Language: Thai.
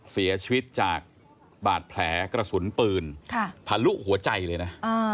เสียชีวิตจากบาดแผลกระสุนปืนทะลุหัวใจเลยนะ